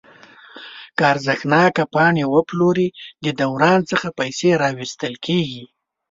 که ارزښتناکې پاڼې وپلوري د دوران څخه پیسې راویستل کیږي.